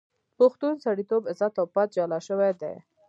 پښتون سړیتوب، عزت او پت جلا شوی دی.